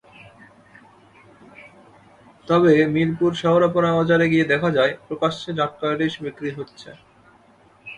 তবে মিরপুর শেওড়াপাড়া বাজারে গিয়ে দেখা যায়, প্রকাশ্যে জাটকা ইলিশ বিক্রি হচ্ছে।